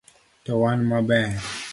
To wan maber